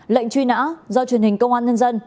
lệnh truy nã do truyền hình công an nhân dân